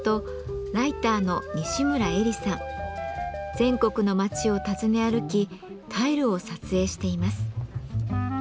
全国の町を訪ね歩きタイルを撮影しています。